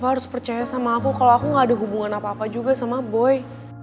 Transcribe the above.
aku harus percaya sama aku kalau aku gak ada hubungan apa apa juga sama boy